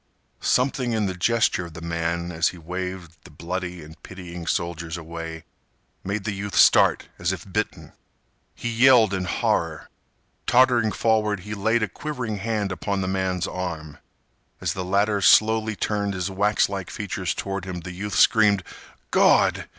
Something in the gesture of the man as he waved the bloody and pitying soldiers away made the youth start as if bitten. He yelled in horror. Tottering forward he laid a quivering hand upon the man's arm. As the latter slowly turned his waxlike features toward him the youth screamed: "Gawd!